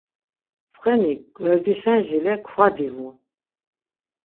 Ntsxeni gverdişen jile kva divu.